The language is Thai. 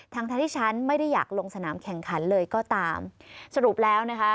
ทั้งทั้งที่ฉันไม่ได้อยากลงสนามแข่งขันเลยก็ตามสรุปแล้วนะคะ